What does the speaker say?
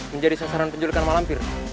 menjadi sasaran penjulikan malampir